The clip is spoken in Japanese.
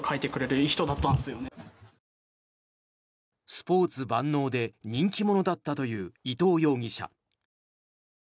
スポーツ万能で人気者だったという伊藤容疑者。